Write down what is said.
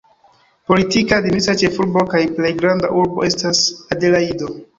Politike administra ĉefurbo kaj plej granda urbo estas Adelajdo.